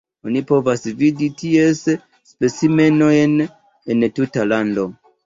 Oni povas vidi ties specimenojn en la tuta lando.